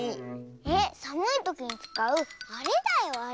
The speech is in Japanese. えっさむいときにつかうあれだよあれ。